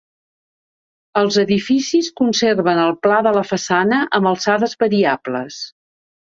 Els edificis conserven el pla de la façana amb alçades variables.